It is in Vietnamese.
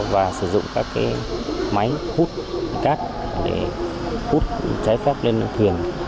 và sử dụng các máy hút cát để hút trái phép lên thuyền